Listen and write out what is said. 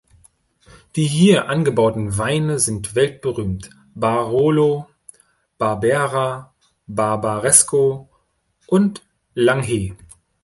Die hier angebauten Weine sind weltberühmt: Barolo, Barbera, Barbaresco und Langhe.